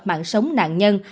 mạng sống nạn nhân